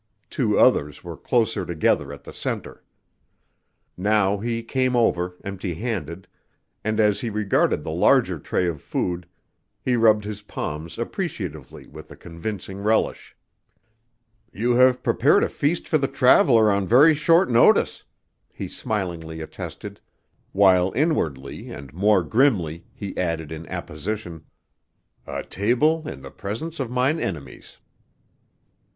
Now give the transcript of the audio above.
Two others were closer together at the center. Now he came over, empty handed, and as he regarded the larger tray of food, he rubbed his palms appreciatively with a convincing relish. "You have prepared a feast for the traveler on very short notice," he smilingly attested while inwardly and more grimly he added in apposition "'a table in the presence of mine enemies!'"